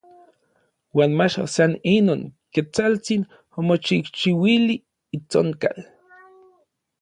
Uan mach san inon, Ketsaltsin omochijchiuili itsonkal.